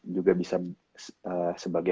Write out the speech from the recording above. juga bisa sebagai